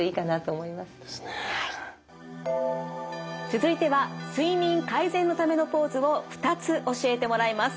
続いては睡眠改善のためのポーズを２つ教えてもらいます。